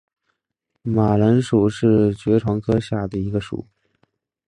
马蓝属是爵床科下的一个属。